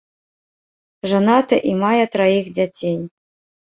Жанаты і мае траіх дзяцей.